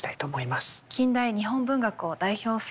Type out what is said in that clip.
近代日本文学を代表する作家ですね。